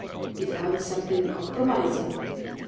"You found something compromising?"